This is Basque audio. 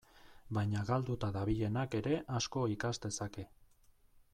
Baina galduta dabilenak ere asko ikas dezake.